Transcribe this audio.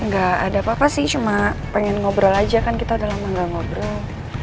gak ada apa apa sih cuma pengen ngobrol aja kan kita udah lama gak ngobrol